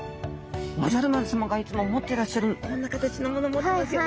おじゃる丸さまがいつも持ってらっしゃるこんな形のもの持ってますよね